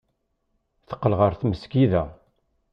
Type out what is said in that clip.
Teqqel ɣer tmesgida.